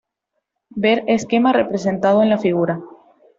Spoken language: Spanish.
Ver esquema representado en la figura.